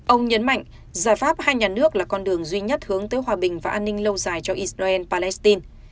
ông nhấn mạnh giải pháp hai nhà nước là con đường duy nhất hướng tới hòa bình và an ninh lâu dài cho israel palestine